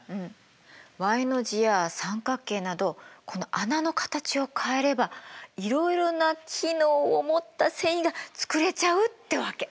Ｙの字や三角形などこの穴の形を変えればいろいろな機能を持った繊維が作れちゃうってわけ！